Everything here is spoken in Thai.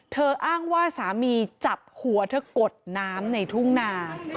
อ้างว่าสามีจับหัวเธอกดน้ำในทุ่งนา